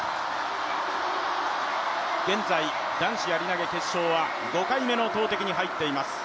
現在、男子やり投げ決勝は５回目の投てきに入っています。